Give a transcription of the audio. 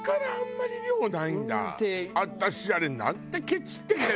私あれなんでケチってるんだよ